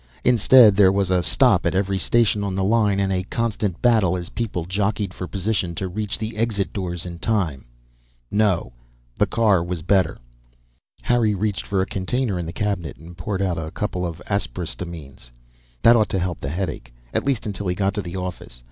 Instead, there was a stop at every station on the line, and a constant battle as people jockeyed for position to reach the exit doors in time. No, the car was better. Harry reached for a container in the cabinet and poured out a couple of aspirystamines. That ought to help the headache. At least until he got to the office.